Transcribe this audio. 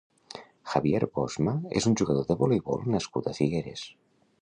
Javier Bosma és un jugador de voleibol nascut a Figueres.